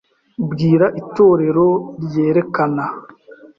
Bwira itorero ryerekana